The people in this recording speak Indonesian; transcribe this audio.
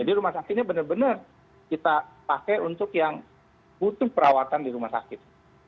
jadi rumah sakit ini benar benar kita pakai untuk yang butuh perawatan di rumah sakit